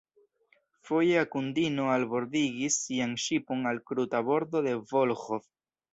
Foje Akundino albordigis sian ŝipon al kruta bordo de Volĥov.